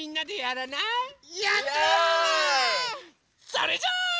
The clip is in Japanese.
それじゃあ。